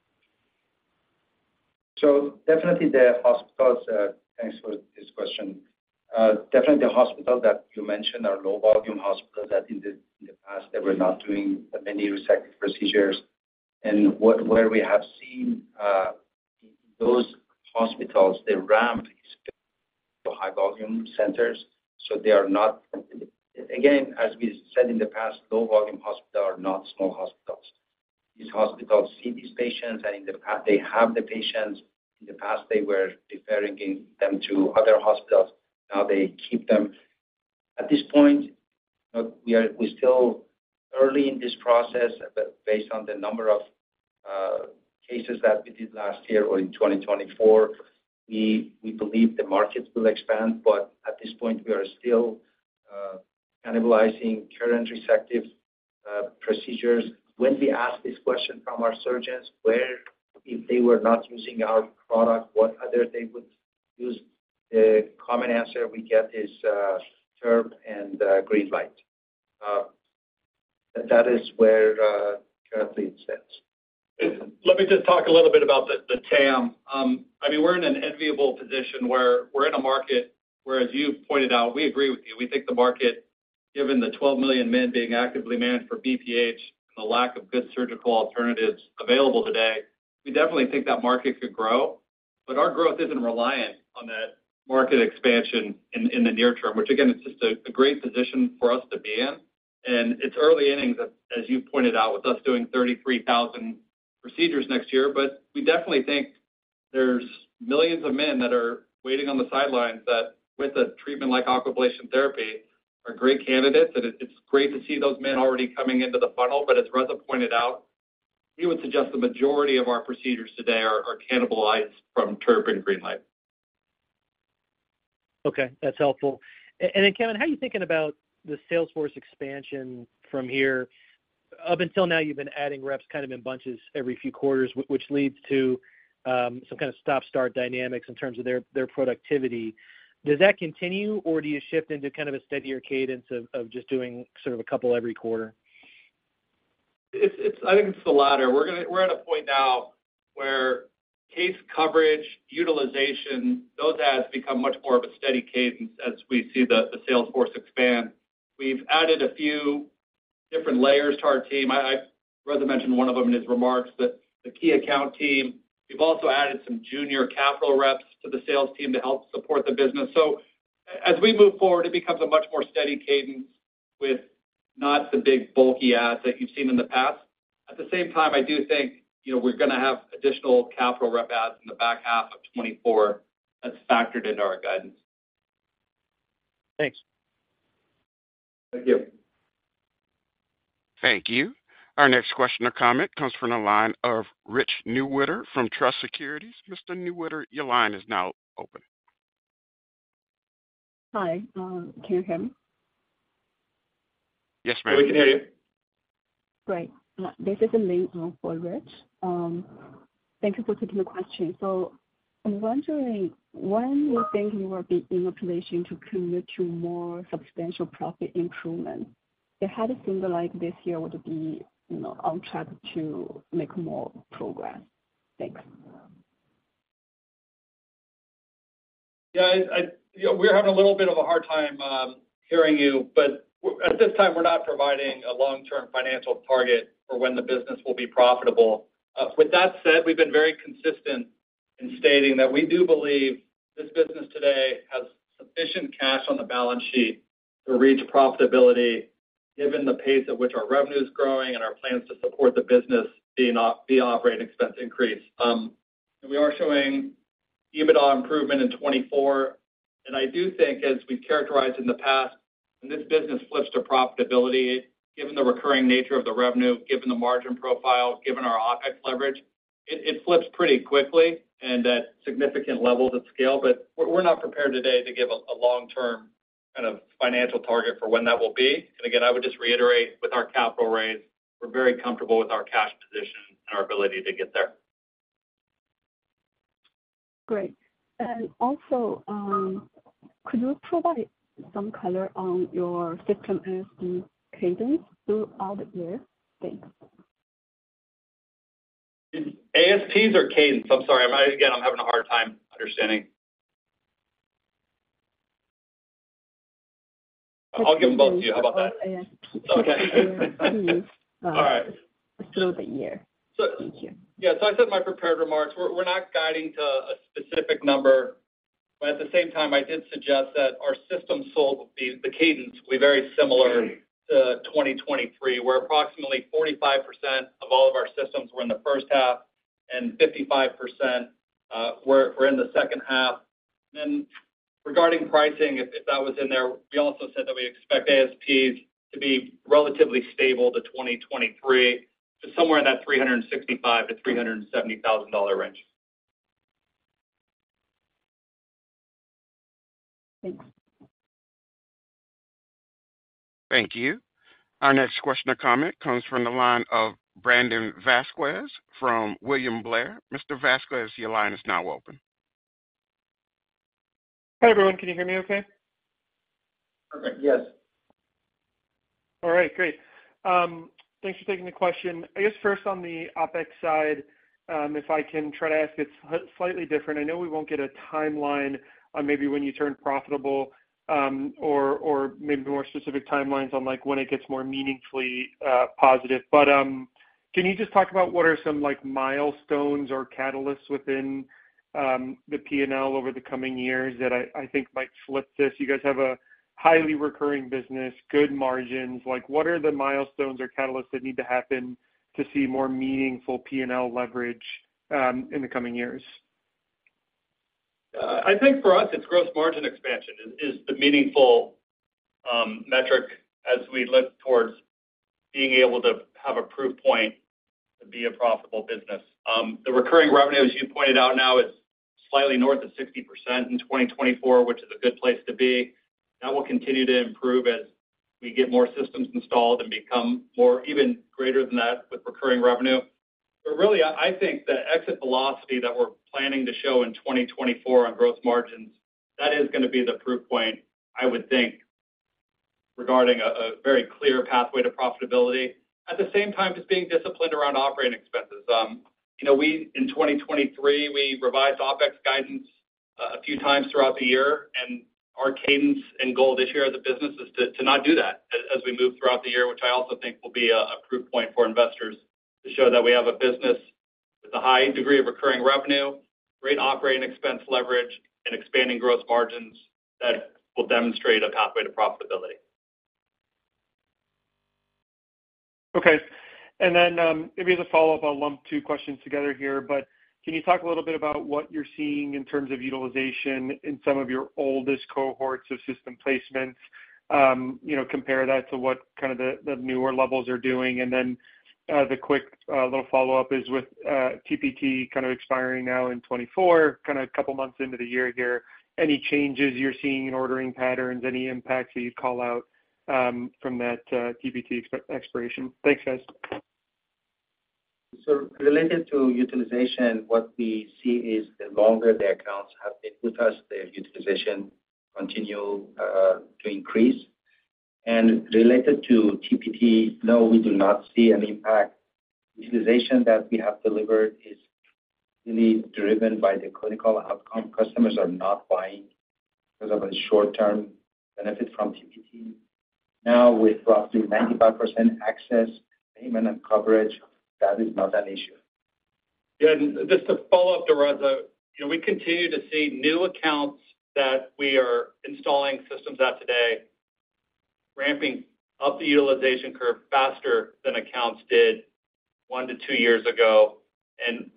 So, definitely, the hospitals, thanks for this question. Definitely, the hospitals that you mentioned are low-volume hospitals that, in the past, they were not doing many resective procedures. And where we have seen those hospitals, the ramp is high-volume centers. So they are not, again, as we said in the past, low-volume hospitals are not small hospitals. These hospitals see these patients, and they have the patients. In the past, they were referring them to other hospitals. Now, they keep them. At this point, we're still early in this process. But based on the number of cases that we did last year or in 2024, we believe the markets will expand. But at this point, we are still cannibalizing current resective procedures. When we ask this question from our surgeons, if they were not using our product, what other they would use, the common answer we get is TURP and GreenLight. That is where currently it stands. Let me just talk a little bit about the TAM. I mean, we're in an enviable position where we're in a market where, as you pointed out, we agree with you. We think the market, given the 12 million men being actively managed for BPH and the lack of good surgical alternatives available today, we definitely think that market could grow. But our growth isn't reliant on that market expansion in the near term, which, again, it's just a great position for us to be in. And it's early innings, as you pointed out, with us doing 33,000 procedures next year. But we definitely think there's millions of men that are waiting on the sidelines that, with a treatment like Aquablation therapy, are great candidates. And it's great to see those men already coming into the funnel. As Reza pointed out, we would suggest the majority of our procedures today are cannibalized from TURP and GreenLight. Okay. That's helpful. And then, Kevin, how are you thinking about the sales force expansion from here? Up until now, you've been adding reps kind of in bunches every few quarters, which leads to some kind of stop-start dynamics in terms of their productivity. Does that continue, or do you shift into kind of a steadier cadence of just doing sort of a couple every quarter? I think it's the latter. We're at a point now where case coverage, utilization, those adds become much more of a steady cadence as we see the sales force expand. We've added a few different layers to our team. Reza mentioned one of them in his remarks, the key account team. We've also added some junior capital reps to the sales team to help support the business. So as we move forward, it becomes a much more steady cadence with not the big bulky adds that you've seen in the past. At the same time, I do think we're going to have additional capital rep adds in the back half of 2024 that's factored into our guidance. Thanks. Thank you. Thank you. Our next question or comment comes from the line of Rich Newitter from Truist Securities. Mr. Newitter, your line is now open. Hi. Can you hear me? Yes, ma'am. We can hear you. Great. This is Lin for Rich. Thank you for taking the question. So I'm wondering, when do you think you will be in a position to commit to more substantial profit improvement? If you had a thing like this year, would it be on track to make more progress? Thanks. Yeah. We're having a little bit of a hard time hearing you. But at this time, we're not providing a long-term financial target for when the business will be profitable. With that said, we've been very consistent in stating that we do believe this business today has sufficient cash on the balance sheet to reach profitability given the pace at which our revenue is growing and our plans to support the business by operating expense increase. We are showing EBITDA improvement in 2024. And I do think, as we've characterized in the past, when this business flips to profitability, given the recurring nature of the revenue, given the margin profile, given our OpEx leverage, it flips pretty quickly and at significant levels at scale. But we're not prepared today to give a long-term kind of financial target for when that will be. And again, I would just reiterate, with our capital raise, we're very comfortable with our cash position and our ability to get there. Great. Also, could you provide some color on your system ASP cadence throughout the year? Thanks. ASPs or cadence? I'm sorry. Again, I'm having a hard time understanding. I'll give them both to you. How about that? ASPs. Okay. All right. Throughout the year. Thank you. Yeah. So I said my prepared remarks. We're not guiding to a specific number. But at the same time, I did suggest that our systems sales cadence will be very similar to 2023, where approximately 45% of all of our systems were in the first half and 55% were in the second half. And then regarding pricing, if that was in there, we also said that we expect ASPs to be relatively stable to 2023, just somewhere in that $365,000-$370,000 range. Thanks. Thank you. Our next question or comment comes from the line of Brandon Vazquez from William Blair. Mr. Vazquez, your line is now open. Hi, everyone. Can you hear me okay? Perfect. Yes. All right. Great. Thanks for taking the question. I guess first, on the OpEx side, if I can try to ask, it's slightly different. I know we won't get a timeline on maybe when you turn profitable or maybe more specific timelines on when it gets more meaningfully positive. But can you just talk about what are some milestones or catalysts within the P&L over the coming years that I think might flip this? You guys have a highly recurring business, good margins. What are the milestones or catalysts that need to happen to see more meaningful P&L leverage in the coming years? I think for us, it's gross margin expansion is the meaningful metric as we look towards being able to have a proof point to be a profitable business. The recurring revenue, as you pointed out now, is slightly north of 60% in 2024, which is a good place to be. That will continue to improve as we get more systems installed and become even greater than that with recurring revenue. But really, I think the exit velocity that we're planning to show in 2024 on gross margins, that is going to be the proof point, I would think, regarding a very clear pathway to profitability. At the same time, just being disciplined around operating expenses. In 2023, we revised OpEx guidance a few times throughout the year. Our cadence and goal this year as a business is to not do that as we move throughout the year, which I also think will be a proof point for investors to show that we have a business with a high degree of recurring revenue, great operating expense leverage, and expanding gross margins that will demonstrate a pathway to profitability. Okay. And then maybe as a follow-up, I'll lump two questions together here. But can you talk a little bit about what you're seeing in terms of utilization in some of your oldest cohorts of system placements, compare that to what kind of the newer levels are doing? And then the quick little follow-up is with TPT kind of expiring now in 2024, kind of a couple of months into the year here, any changes you're seeing in ordering patterns, any impacts that you'd call out from that TPT expiration? Thanks, guys. Related to utilization, what we see is the longer the accounts have been with us, the utilization continue to increase. Related to TPT, no, we do not see an impact. Utilization that we have delivered is really driven by the clinical outcome. Customers are not buying because of a short-term benefit from TPT. Now, with roughly 95% access, payment, and coverage, that is not an issue. Yeah. Just to follow up, Teresa, we continue to see new accounts that we are installing systems at today ramping up the utilization curve faster than accounts did 1-2 years ago.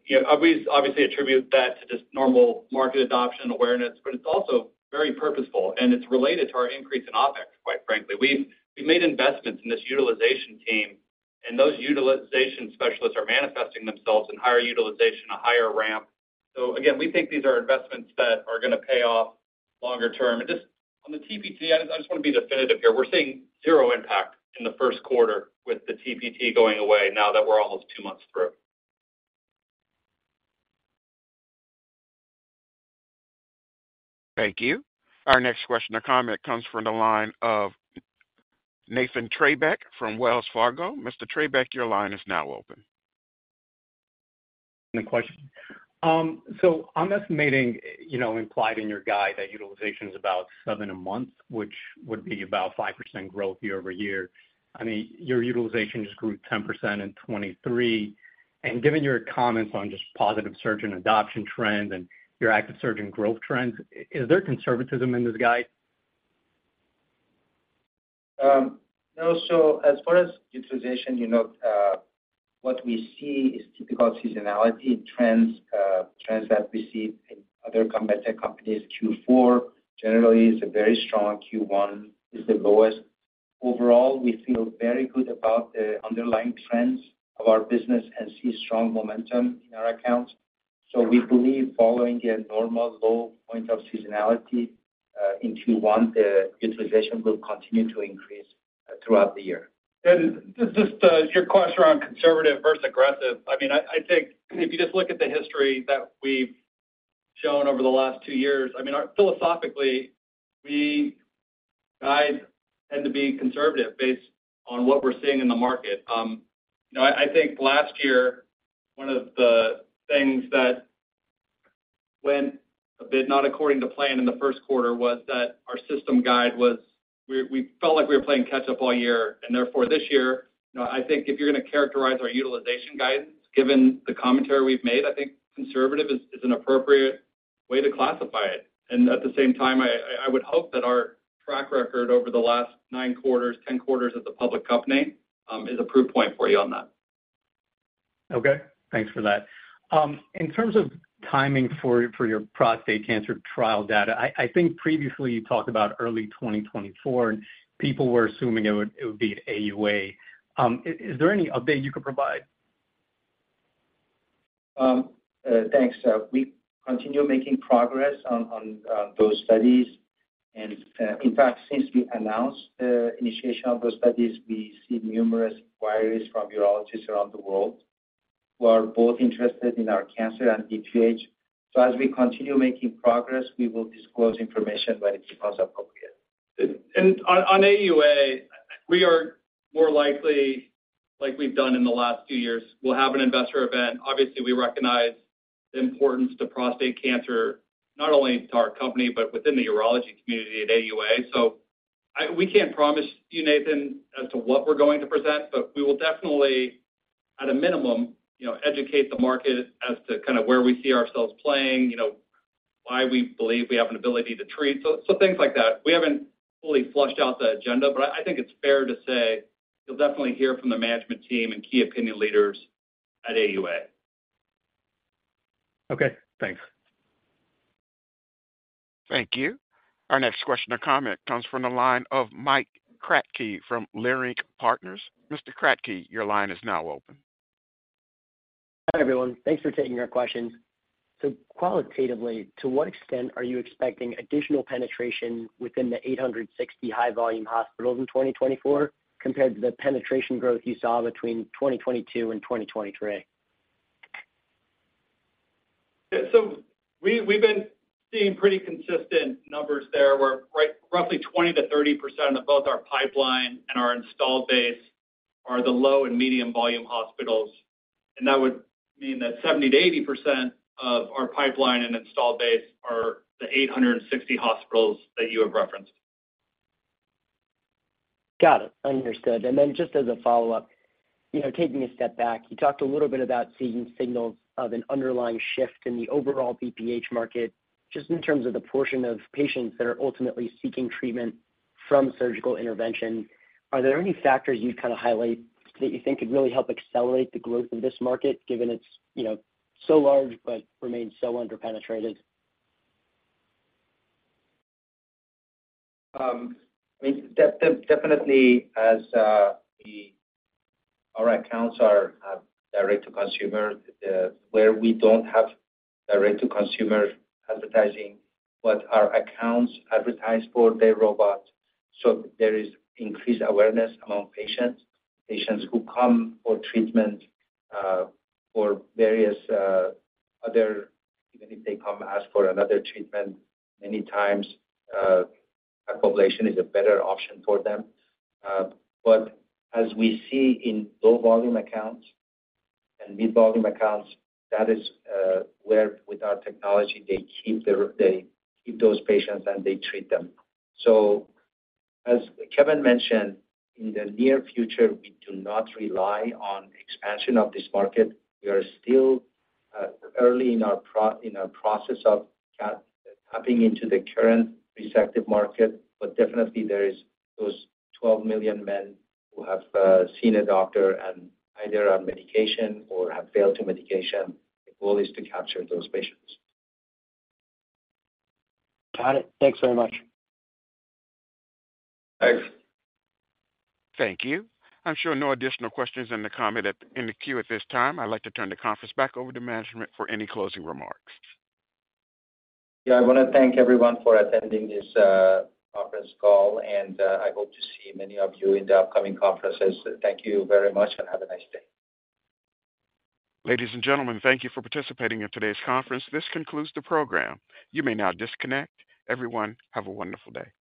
We obviously attribute that to just normal market adoption awareness. But it's also very purposeful. It's related to our increase in OpEx, quite frankly. We've made investments in this utilization team. Those utilization specialists are manifesting themselves in higher utilization, a higher ramp. So again, we think these are investments that are going to pay off longer term. Just on the TPT, I just want to be definitive here. We're seeing 0 impact in the first quarter with the TPT going away now that we're almost 2 months through. Thank you. Our next question or comment comes from the line of Nathan Treybeck from Wells Fargo. Mr. Trebeck, your line is now open. Good question. So I'm estimating, implied in your guide, that utilization is about 7 a month, which would be about 5% growth year-over-year. I mean, your utilization just grew 10% in 2023. Given your comments on just positive surgeon adoption trends and your active surgeon growth trends, is there conservatism in this guide? No. So as far as utilization, what we see is typical seasonality and trends that we see in other competitor companies. Q4 generally is a very strong. Q1 is the lowest. Overall, we feel very good about the underlying trends of our business and see strong momentum in our accounts. So we believe following a normal low point of seasonality in Q1, the utilization will continue to increase throughout the year. Just your question around conservative versus aggressive, I mean, I think if you just look at the history that we've shown over the last 2 years, I mean, philosophically, we guide tend to be conservative based on what we're seeing in the market. I think last year, one of the things that went a bit not according to plan in the first quarter was that our system guide was we felt like we were playing catch-up all year. Therefore, this year, I think if you're going to characterize our utilization guidance, given the commentary we've made, I think conservative is an appropriate way to classify it. And at the same time, I would hope that our track record over the last 9 quarters, 10 quarters at the public company is a proof point for you on that. Okay. Thanks for that. In terms of timing for your prostate cancer trial data, I think previously you talked about early 2024, and people were assuming it would be at AUA. Is there any update you could provide? Thanks. We continue making progress on those studies. In fact, since we announced the initiation of those studies, we see numerous inquiries from urologists around the world who are both interested in our cancer and BPH. As we continue making progress, we will disclose information when it becomes appropriate. On AUA, we are more likely, like we've done in the last few years, we'll have an investor event. Obviously, we recognize the importance to prostate cancer, not only to our company, but within the urology community at AUA. We can't promise you, Nathan, as to what we're going to present, but we will definitely, at a minimum, educate the market as to kind of where we see ourselves playing, why we believe we have an ability to treat. Things like that. We haven't fully fleshed out the agenda, but I think it's fair to say you'll definitely hear from the management team and key opinion leaders at AUA. Okay. Thanks. Thank you. Our next question or comment comes from the line of Mike Kratky from Leerink Partners. Mr. Kratky, your line is now open. Hi, everyone. Thanks for taking our questions. Qualitatively, to what extent are you expecting additional penetration within the 860 high-volume hospitals in 2024 compared to the penetration growth you saw between 2022 and 2023? Yeah. We've been seeing pretty consistent numbers there, where roughly 20%-30% of both our pipeline and our installed base are the low and medium volume hospitals. That would mean that 70%-80% of our pipeline and installed base are the 860 hospitals that you have referenced. Got it. Understood. Then just as a follow-up, taking a step back, you talked a little bit about seeing signals of an underlying shift in the overall BPH market just in terms of the portion of patients that are ultimately seeking treatment from surgical intervention. Are there any factors you'd kind of highlight that you think could really help accelerate the growth of this market given it's so large but remains so underpenetrated? I mean, definitely, as our accounts are direct-to-consumer, where we don't have direct-to-consumer advertising, but our accounts advertise for their robots. So there is increased awareness among patients, patients who come for treatment for various other, even if they come ask for another treatment, many times Aquablation is a better option for them. But as we see in low-volume accounts and mid-volume accounts, that is where, with our technology, they keep those patients and they treat them. So as Kevin mentioned, in the near future, we do not rely on expansion of this market. We are still early in our process of tapping into the current resective market. But definitely, there are those 12 million men who have seen a doctor and either are on medication or have failed to medication. The goal is to capture those patients. Got it. Thanks very much. Thanks. Thank you. I'm sure no additional questions and comment in the queue at this time. I'd like to turn the conference back over to management for any closing remarks. Yeah. I want to thank everyone for attending this conference call. I hope to see many of you in the upcoming conferences. Thank you very much, and have a nice day. Ladies and gentlemen, thank you for participating in today's conference. This concludes the program. You may now disconnect. Everyone, have a wonderful day.